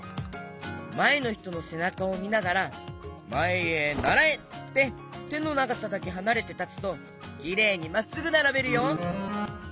まえのひとのせなかをみながら「まえへならえ」っててのながさだけはなれてたつときれいにまっすぐならべるよ。